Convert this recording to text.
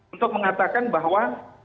untuk mengatakan bahwa